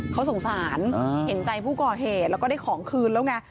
เขาสงสารเห็นใจผู้ก่อเหตุแล้วก็ได้ของคืนแล้วไง